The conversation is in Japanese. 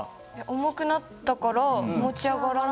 重くなったから持ち上がらない。